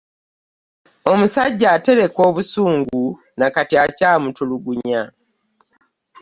Omusajja atereka obusungu nekati akyamutulugunya.